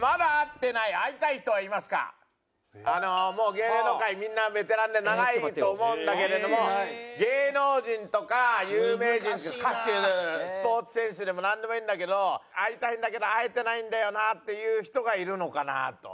あのもう芸能界みんなベテランで長いと思うんだけれども芸能人とか有名人歌手スポーツ選手でもなんでもいいんだけど会いたいんだけど会えてないんだよなっていう人がいるのかなと。